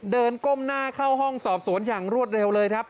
ก้มหน้าเข้าห้องสอบสวนอย่างรวดเร็วเลยครับ